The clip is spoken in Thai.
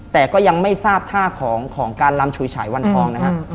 แต่ก็ยังไม่ทราบท่าของการลำฉุยฉายวันทองนะฮะ